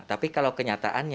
tapi kalau kenyataannya